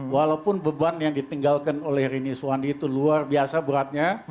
walaupun beban yang ditinggalkan oleh rini suwandi itu luar biasa beratnya